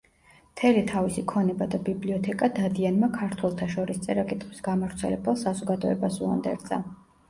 მთელი თავისი ქონება და ბიბლიოთეკა დადიანმა ქართველთა შორის წერა-კითხვის გამავრცელებელ საზოგადოებას უანდერძა.